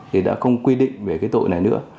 thì đã không quy định về cái tội này nữa